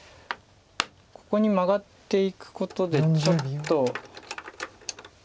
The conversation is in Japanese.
ここにマガっていくことでちょっと。